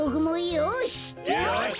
よし！